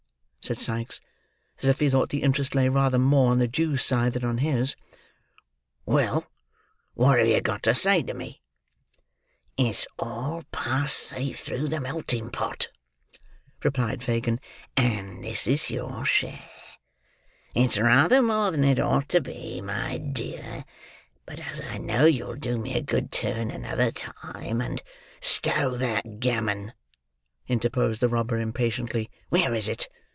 "Humph," said Sikes, as if he thought the interest lay rather more on the Jew's side than on his. "Well, what have you got to say to me?" "It's all passed safe through the melting pot," replied Fagin, "and this is your share. It's rather more than it ought to be, my dear; but as I know you'll do me a good turn another time, and—" "Stow that gammon," interposed the robber, impatiently. "Where is it?